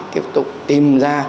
tiếp tục tìm ra